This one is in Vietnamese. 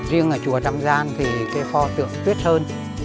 riêng ở chùa trăm gian thì cái pho tượng tuyết sơn